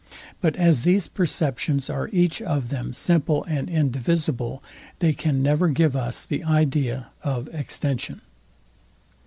But as these perceptions are each of them simple and indivisible, they can never give us the idea of extension.